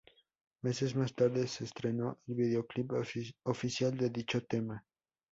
Meses más tarde se estrenó el videoclip oficial de dicho tema.